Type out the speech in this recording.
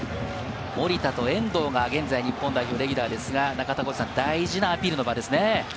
守田と遠藤が現在、日本代表レギュラーですが、大事なアピールの場ですね。